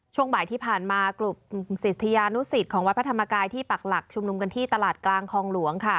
ช่วงบ่ายที่ผ่านมากลุ่มศิษยานุสิตของวัดพระธรรมกายที่ปักหลักชุมนุมกันที่ตลาดกลางคลองหลวงค่ะ